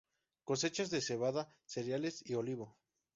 Cosechas de cebada, cereales y olivo.